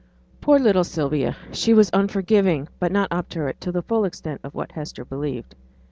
Poor little Sylvia! She was unforgiving, but not obdurate to the full extent of what Hester believed.